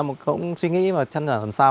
một suy nghĩ chẳng hạn sao